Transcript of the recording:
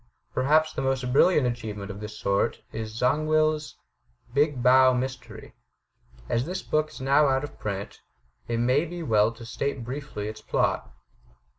Perhaps the most brilliant achievement of this sort is Zangwill's *'Big Bow Mystery.'* As this book is now out of print, it may be well to state briefly its plot.